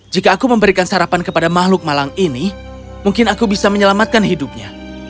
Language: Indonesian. jika aku memberikan sarapan kepada makhluk malang ini mungkin aku bisa menyelamatkan hidupnya